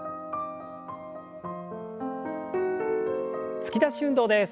突き出し運動です。